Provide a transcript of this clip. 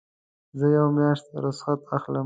زه یوه میاشت رخصت اخلم.